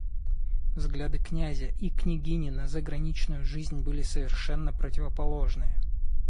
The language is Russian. Взгляды князя и княгини на заграничную жизнь были совершенно противоположные.